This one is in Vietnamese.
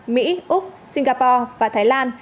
mỹ úc singapore và thái lan